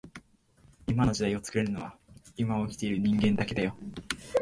今の時代を作れるのは今を生きている人間だけだよ